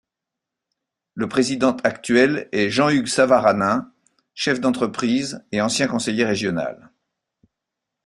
Le président actuel est Jean-Hugues Savaranin, chef d'entreprise et ancien conseiller régional.